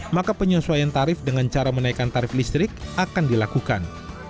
maka penyesuaian tarif dengan cara menaikkan tarif listrik akan dilakukan